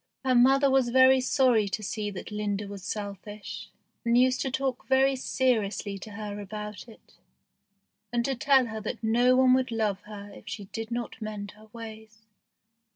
Her mother was very sorry to see that Linda was selfish, and used to talk very seriously to her about it, and to tell her that no one would love her if she did not mend her ways.